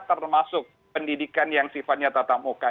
termasuk pendidikan yang sifatnya tatap muka